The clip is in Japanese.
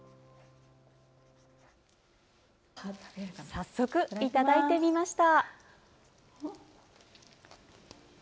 早速いただいてみました！